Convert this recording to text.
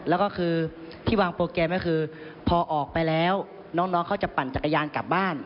แล้วก็คือที่วางโปรแกรมก็คือพอออกไปแล้วน้องเขาจะปั่นจักรยานกลับบ้าน